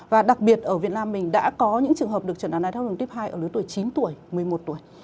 và đặc biệt ở việt nam mình đã có những trường hợp được chẩn đoán đái tháo đường tiếp hai ở lứa tuổi chín tuổi một mươi một tuổi